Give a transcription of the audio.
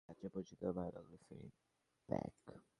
হ্যাঁ, আচ্ছা, পরিচিত হয়ে ভালো লাগলো, ফিনি ব্লেক।